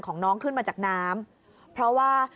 ของน้องขึ้นมาจากน้ำเพราะว่า